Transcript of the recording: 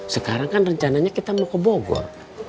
sekarang kan rencananya kita mau ke bogor